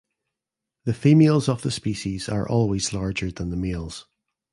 The females of the species are always larger than the males.